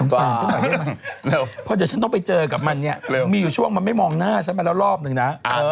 เพราะเดี๋ยวฉันต้องไปเจอกับมันเนี่ยมีอยู่ช่วงมันไม่มองหน้าฉันมาแล้วรอบนึงนะ